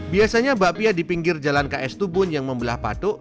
biasanya bapia di pinggir jalan ks tubun yang membelah patuk